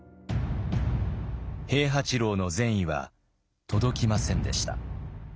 平八郎の善意は届きませんでした。